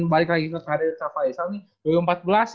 balik lagi ke karir faisal nih